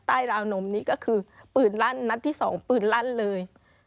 ราวนมนี้ก็คือปืนลั่นนัดที่สองปืนลั่นเลย